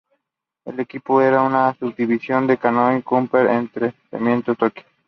El equipo era una subdivisión de Konami Computer Entertainment Tokyo.